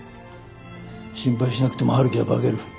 心配しなくても陽樹は化ける。